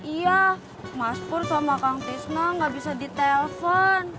iya mas pur sama kang tisno gak bisa ditelepon